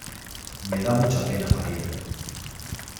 Me da mucha pena María.